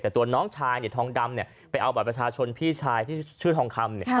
แต่ตัวน้องชายเนี่ยทองดำไปเอาบัตรประชาชนพี่ชายที่ชื่อทองคำ